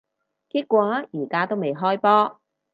結果而家都未開波